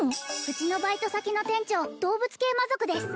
うちのバイト先の店長動物系魔族です